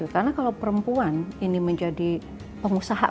karena kalau perempuan ini menjadi pengusaha